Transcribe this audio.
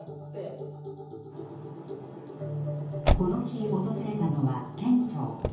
この日訪れたのは県庁。